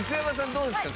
どうですか？